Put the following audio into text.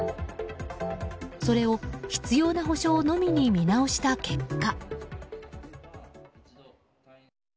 それを必要な保障のみに見直した結果。